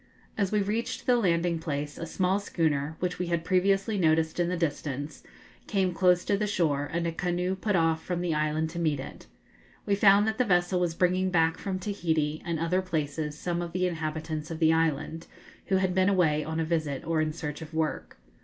As we reached the landing place, a small schooner, which we had previously noticed in the distance, came close to the shore, and a canoe put off from the island to meet it. We found that the vessel was bringing back from Tahiti and other places some of the inhabitants of the island, who had been away on a visit or in search of work.